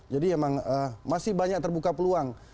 jadi emang masih banyak terbuka peluang